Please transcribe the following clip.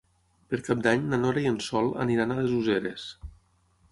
Per Cap d'Any na Nora i en Sol aniran a les Useres.